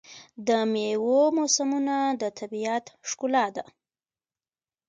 د میوو موسمونه د طبیعت ښکلا ده.